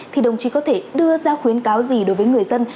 thì đồng chí có thể đưa ra khuyến cáo gì đối với người dân